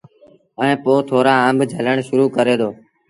ائيٚݩ پو ٿورآ آݩب جھلڻ شرو ڪري دو۔